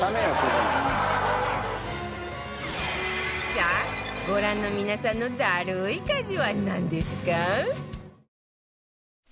さあご覧の皆さんのダルい家事はなんですか？